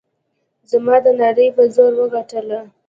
زما د نعرې په زور وګټله.